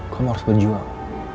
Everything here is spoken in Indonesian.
kamu harus berjuang